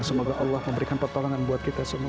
semoga allah memberikan pertolongan buat kita semua